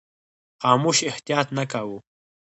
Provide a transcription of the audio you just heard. خاموش احتیاط نه کاوه.